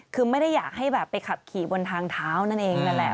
คือไม่ได้อยากให้แบบไปขับขี่บนทางเท้านั่นเองนั่นแหละ